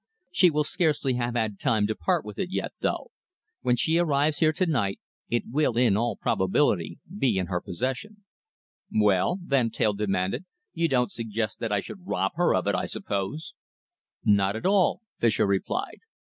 She will scarcely have had time to part with it yet, though. When she arrives here to night, it will in all probability be in her possession." "Well?" Van Teyl demanded. "You don't suggest that I should rob her of it, I suppose?" "Not at all," Fischer replied.